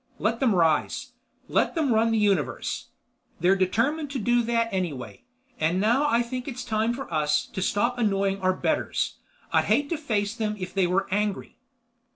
Let them rise, let them run the Universe. They're determined to do that anyway. And now I think it's time for us to stop annoying our betters. I'd hate to face them if they were angry."